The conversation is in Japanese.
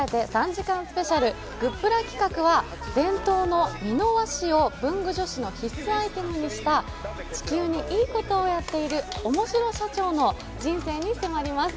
３時間スペシャル』、グップラ企画は伝統の美濃和紙を文具女子の必須アイテムにした地球にいいことをやっているおもしろ社長の人生に迫ります。